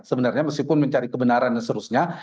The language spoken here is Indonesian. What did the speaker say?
sebenarnya meskipun mencari kebenaran dan seterusnya